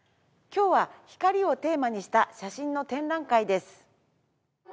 今日は光をテーマにした写真の展覧会です。